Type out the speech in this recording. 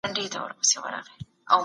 غم او ښادي سره مل دي.